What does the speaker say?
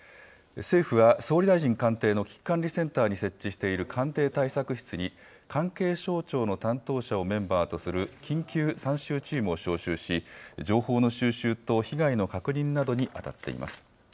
政府は、総理大臣官邸の危機管理センターに設置している官邸対策室に、関係省庁の担当者をメンバーとする緊急参集チームを招集し、情報の収集と被害の確認などに当たっています。